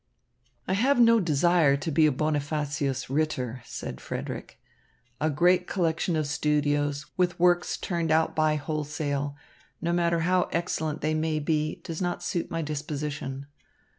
"I have no desire to be a Bonifacius Ritter," said Frederick. "A great collection of studios, with works turned out by wholesale, no matter how excellent they may be, does not suit my disposition.